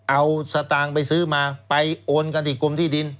เอาสตางค์ไปซื้อมาไปโอนกันที่กรมที่ดิน